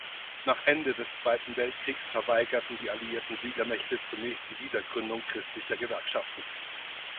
Nach Ende des Zweiten Weltkriegs verweigerten die Alliierten Siegermächte zunächst die Wiedergründung christlicher Gewerkschaften.